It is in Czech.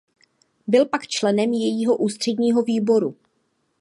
Byl pak členem jejího ústředního výboru.